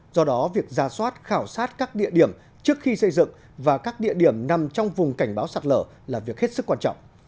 do đó việc ra soát khảo sát các địa điểm trước khi xây dựng và các địa điểm nằm trong vùng cảnh báo sạt lở là việc hết sức quan trọng